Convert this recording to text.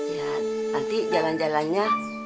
ya nanti jalan jalannya